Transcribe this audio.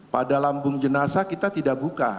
pada lambung jenazah kita tidak buka